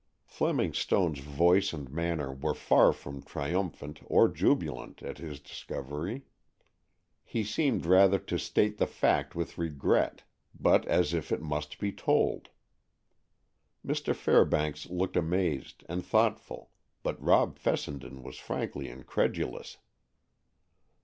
Fleming Stone's voice and manner were far from triumphant or jubilant at his discovery. He seemed rather to state the fact with regret, but as if it must be told. Mr. Fairbanks looked amazed and thoughtful, but Rob Fessenden was frankly incredulous.